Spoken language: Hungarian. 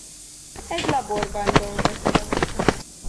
Egy laborban dolgoztok.